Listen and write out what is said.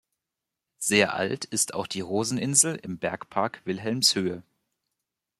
Sehr alt ist auch die Roseninsel im Bergpark Wilhelmshöhe.